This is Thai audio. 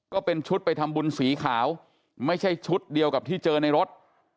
ก็เป็นชุดไปทำบุญสีขาวไม่ใช่ชุดเดียวกับที่เจอในรถ